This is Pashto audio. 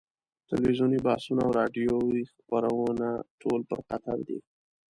تلویزیوني بحثونه او راډیویي خبرونه ټول پر قطر دي.